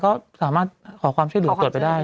ก็สามารถขอความชื่อหรือตรวจไปได้